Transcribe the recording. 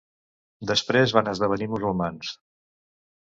Després van esdevenir musulmans.